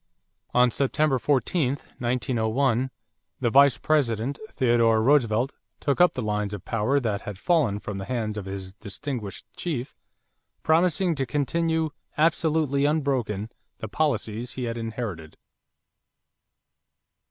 On September 14, 1901, the Vice President, Theodore Roosevelt, took up the lines of power that had fallen from the hands of his distinguished chief, promising to continue "absolutely unbroken" the policies he had inherited.